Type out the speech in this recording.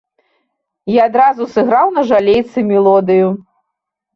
Я адразу сыграў на жалейцы мелодыю.